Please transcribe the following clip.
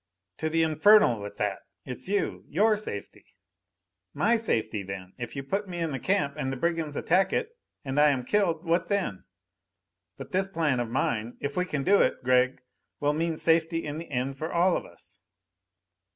"To the infernal with that! It's you, your safety " "My safety, then! If you put me in the camp and the brigands attack it and I am killed what then? But this plan of mine, if we can do it, Gregg, will mean safety in the end for all of us."